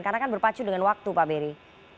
karena kan berpacu dengan waktu pak beri